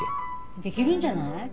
できるんじゃない？